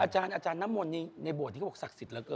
อาจารย์น้ำมนต์นี่ในโบสถที่เขาบอกศักดิ์สิทธิเหลือเกิน